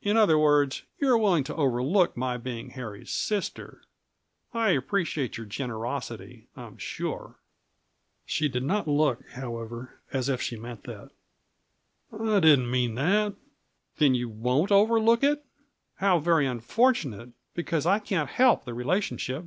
"In other words, you're willing to overlook my being Harry's sister. I appreciate your generosity, I'm sure." She did not look, however, as if she meant that. "I didn't mean that." "Then you won't overlook it? How very unfortunate! Because I can't help the relationship."